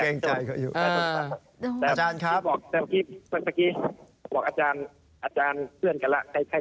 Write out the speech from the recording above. แต่เมื่อกี้บอกอาจารย์เพื่อนกันแล้วใกล้ไป